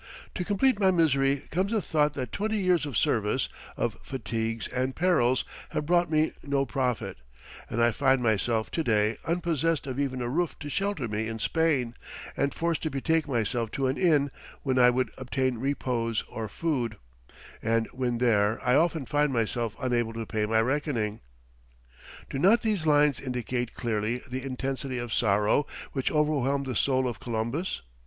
To complete my misery comes the thought that twenty years of service, of fatigues and perils, have brought me no profit, and I find myself to day unpossessed of even a roof to shelter me in Spain, and forced to betake myself to an inn when I would obtain repose or food; and when there I often find myself unable to pay my reckoning." Do not these lines indicate clearly the intensity of sorrow which overwhelmed the soul of Columbus?